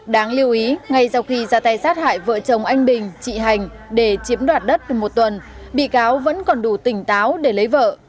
đáng lưu ý ngay sau khi ra tay sát hại vợ chồng anh bình chị hành để chiếm đoạt đất một tuần bị cáo vẫn còn đủ tỉnh táo để lấy vợ